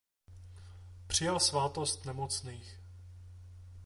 Přijal svátost nemocných.